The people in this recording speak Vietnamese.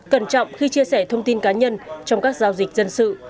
cẩn trọng khi chia sẻ thông tin cá nhân trong các giao dịch dân sự